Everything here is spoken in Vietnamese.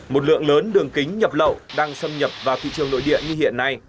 một lượng lớn đường kính nhập lậu đang xâm nhập vào thị trường nội địa như hiện nay